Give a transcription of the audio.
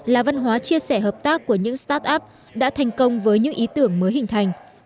là văn hóa chia sẻ hợp tác của những start up đã thành công với những ý tưởng mới hình thành